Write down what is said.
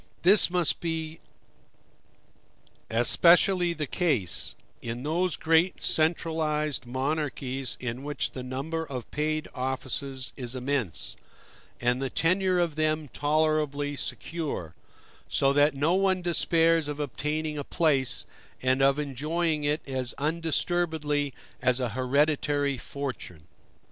This must especially be the case, in those great centralized monarchies in which the number of paid offices is immense, and the tenure of them tolerably secure, so that no one despairs of obtaining a place, and of enjoying it as undisturbedly as a hereditary fortune.